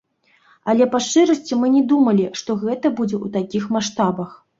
Але па шчырасці, мы не думалі, што гэта будзе ў такіх маштабах.